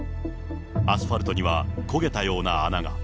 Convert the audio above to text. アスファルトには焦げたような穴が。